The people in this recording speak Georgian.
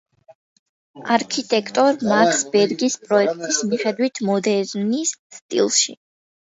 არქიტექტორ მაქს ბერგის პროექტის მიხედვით, მოდერნის სტილში.